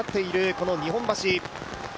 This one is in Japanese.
この日本橋。